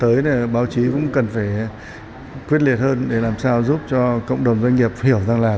thời gian tới báo chí cũng cần phải quyết liệt hơn để làm sao giúp cho cộng đồng doanh nghiệp hiểu rằng là